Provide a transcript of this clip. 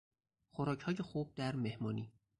خوراکهای خوب در مهمانی